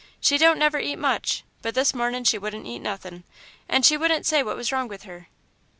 She don't never eat much, but this mornin' she wouldn't eat nothin', and she wouldn't say what was wrong with her."